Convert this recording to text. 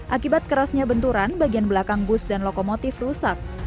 akibat kerasnya benturan bagian belakang bus dan lokomotif rusak